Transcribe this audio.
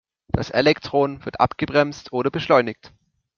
Das Elektron wird abgebremst oder beschleunigt.